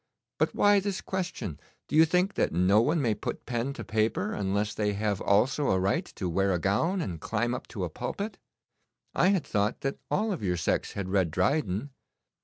But why this question? Do you think that no one may put pen to paper unless they have also a right to wear a gown and climb up to a pulpit? I had thought that all of your sex had read Dryden.